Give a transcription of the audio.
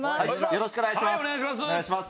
よろしくお願いします。